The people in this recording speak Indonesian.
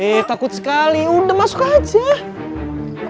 eh takut sekali udah masuk aja